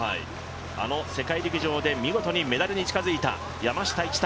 あの世界陸上で見事にメダルに近づいた山下一貴。